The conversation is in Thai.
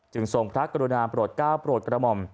จึงทรงพระอกุณาประโหล๙ปกระหม่ม